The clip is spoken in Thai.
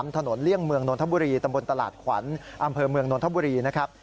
เลี่ยงเมืองนนทบุรีตำบลตลาดขวัญอำเภอเมืองนนทบุรีนะครับ